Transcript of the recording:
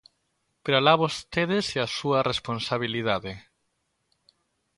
Pero alá vostedes e a súa responsabilidade.